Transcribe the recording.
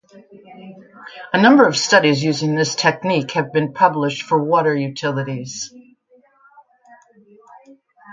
A number of studies using this technique have been published for water utilities.